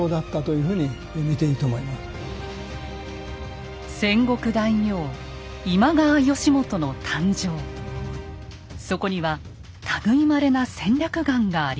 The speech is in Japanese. そこには類いまれな戦略眼がありました。